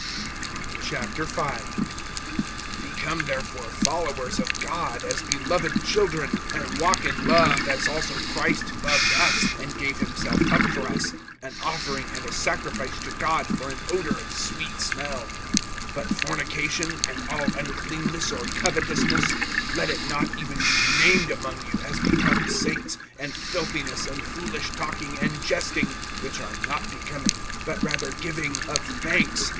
V. BECOME therefore followers of God, as beloved children (2)and walk in love, as also Christ loved us, and gave himself up for us, an offering and a sacrifice to God for an odor of sweet smell. (3)But fornication, and all uncleanness, or covetousness, let it not even be named among you, as becomes saints, (4)and filthiness, and foolish talking, and jesting, which are not becoming, but rather giving of thanks.